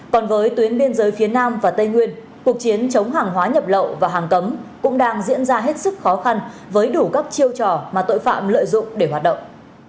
còn với tuyến biên giới phía nam và tây nguyên cuộc chiến chống hàng hóa nhập lậu và hàng cấm cũng đang diễn ra hết sức khó khăn với đủ các chiêu trò mà tội phạm lợi dụng để hoạt động